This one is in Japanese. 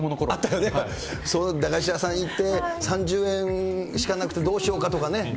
それこそ、駄菓子屋さん行って３０円しかなくてどうしようかとかね。